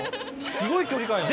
すごい距離感。